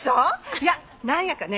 いや何やかね